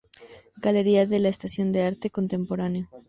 Galería La Estación Arte Contemporáneo.